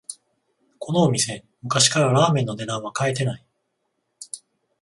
このお店、昔からラーメンの値段は変えてない